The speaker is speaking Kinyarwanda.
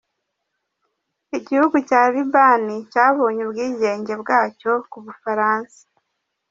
Igihugu cya Liban cyabonye ubwigenge bwacyo ku bufaransa.